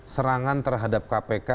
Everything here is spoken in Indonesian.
serangan terhadap kpk